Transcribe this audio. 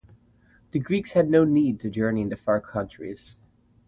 The Greeks had no need to journey into far countries.